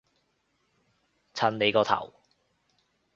襯你個頭